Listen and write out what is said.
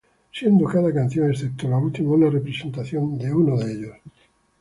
Siendo cada canción, excepto la última, una representación de uno de ellos.